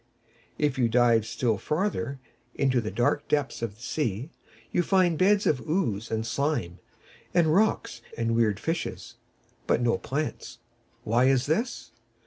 If you dive still farther, into the dark depths of the sea, you find beds of ooze and slime, and rocks and weird fishes, but no plants. Why is this?